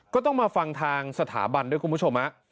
ก็ต้องมาฟังทางสถาบันด้วยคุณผู้ชม